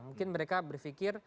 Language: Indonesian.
mungkin mereka berfikir